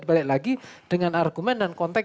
balik lagi dengan argumen dan konteks